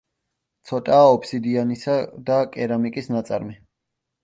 ცოტაა ობსიდიანისა და კერამიკის ნაწარმი.